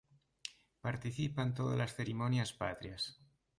Participa en tódalas cerimonias patrias.